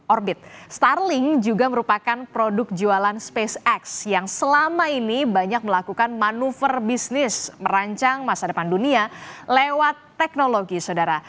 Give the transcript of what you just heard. orbit starling juga merupakan produk jualan spacex yang selama ini banyak melakukan manuver bisnis merancang masa depan dunia lewat teknologi sodara